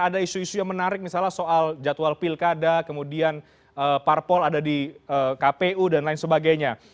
ada isu isu yang menarik misalnya soal jadwal pilkada kemudian parpol ada di kpu dan lain sebagainya